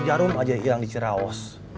belum aja hilang di ciraos